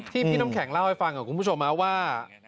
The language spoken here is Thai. พี่น้ำแข็งเล่าให้ฟังกับคุณผู้ชมว่า